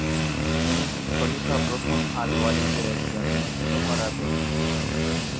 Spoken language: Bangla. তিনি খলিফা প্রথম আল ওয়ালিদের একজন মুক্ত করা ব্যক্তি ছিলেন।